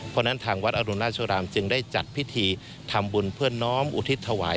เพราะฉะนั้นทางวัดอรุณราชรามจึงได้จัดพิธีทำบุญเพื่อน้อมอุทิศถวาย